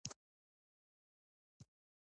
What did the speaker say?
هګۍ کوم ویټامینونه لري؟